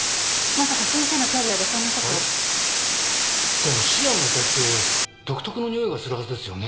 でもシアンの遺体って独特のにおいがするはずですよね？